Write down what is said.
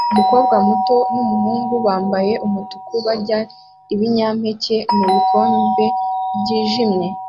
Umukobwa muto numuhungu bambaye umutuku barya ibinyampeke mubikombe byijimye